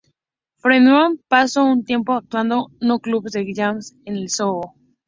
Feldman pasó un tiempo actuando en clubes de jazz en el Soho.